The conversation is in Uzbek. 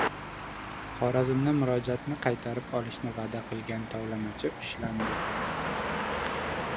Xorazmda murojaatini qaytarib olishni va’da qilgan tovlamachi ushlandi